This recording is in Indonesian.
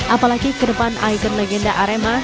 apalagi ke depan ikon legenda arema